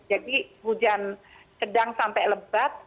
jadi hujan sedang sampai lebat